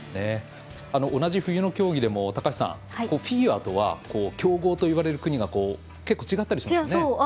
同じ冬の競技でもフィギュアとは強豪といわれる国が結構、違ったりしますね。